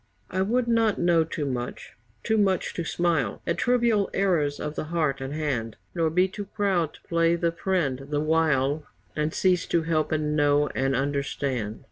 I would not know too much too much to smile At trivial errors of the heart and hand, Nor be too proud to play the friend the while, And cease to help and know and understand.